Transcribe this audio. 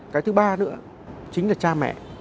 cái thứ ba nữa chính là cha mẹ